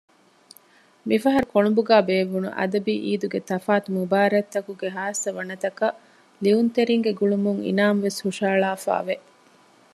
މިފަހަރު ކޮޅުނބުގައި ބޭއްވުނު އަދަބީ އީދުގެ ތަފާތު މުބާރާތްތަކުގެ ޚާއްޞަ ވަނަތަކަށް ލިޔުންތެރީންގެ ގުޅުމުން އިނާމު ވެސް ހުށަހަޅާފައިވެ